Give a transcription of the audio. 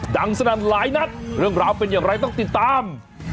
สนั่นหลายนัดเรื่องราวเป็นอย่างไรต้องติดตาม